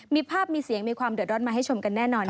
มีภาพมีเสียงมีความเดือดร้อนมาให้ชมกันแน่นอน